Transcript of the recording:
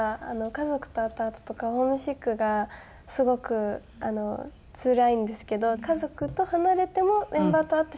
家族と会ったあととかホームシックがすごくつらいんですけど家族と離れてもメンバーと会った瞬間